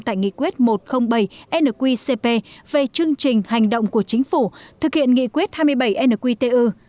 tại nghị quyết một trăm linh bảy nqcp về chương trình hành động của chính phủ thực hiện nghị quyết hai mươi bảy nqtu